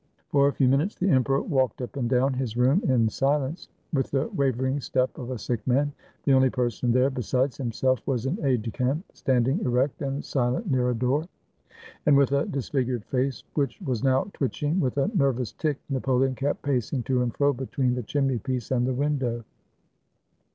For a few minutes the emperor walked up and down his room in silence, with the wavering step of a sick man. The only person there besides himself was an aide de camp, standing erect and silent near a door. And, with a disfigured face which was now twitching with a nervous tic, Napoleon kept pacing to and fro between the chim ney piece and the window.